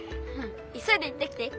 いそいで行ってきて！